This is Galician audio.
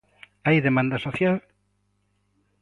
Hai demanda social?